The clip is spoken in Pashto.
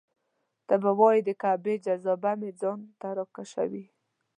ته به وایې د کعبې جاذبه مې ځان ته راکشوي.